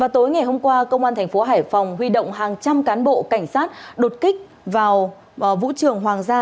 tối ngày hôm qua công an thành phố hải phòng huy động hàng trăm cán bộ cảnh sát đột kích vào vũ trường hoàng gia